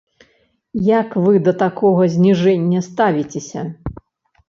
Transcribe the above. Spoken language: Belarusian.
Як вы да такога зніжэння ставіцеся?